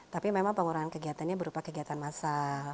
tapi memang pengurangan kegiatannya berupa kegiatan massal